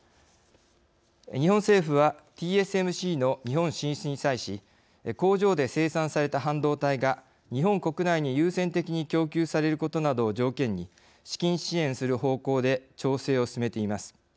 日本政府はＴＳＭＣの日本進出に際し工場で生産された半導体が日本国内に優先的に供給されることなどを条件に資金支援する方向で調整を進めています。